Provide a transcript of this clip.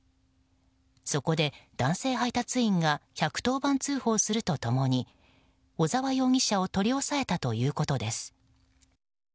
そこで、男性配達員が１１０番通報すると共に小沢容疑者を取り押さえたということです。